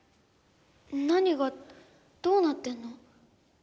何がどうなってんの？